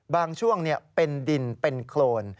บางช่วงเป็นดินเป็นโครน